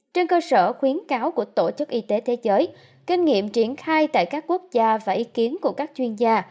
trên cơ sở khuyến cáo của tổ chức y tế thế giới kinh nghiệm triển khai tại các quốc gia và ý kiến của các chuyên gia